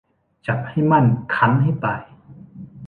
จับให้มั่นคั้นให้ตาย